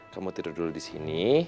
kamu tidur dulu disini